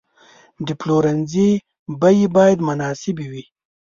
د پلورنځي بیې باید مناسبې وي.